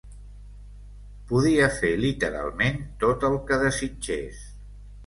Podia fer literalment tot el que desitgés.